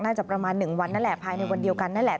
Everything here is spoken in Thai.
ประมาณ๑วันนั่นแหละภายในวันเดียวกันนั่นแหละ